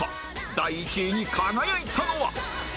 第１位に輝いたのは